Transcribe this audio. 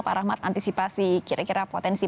pak rahmat antisipasi kira kira potensi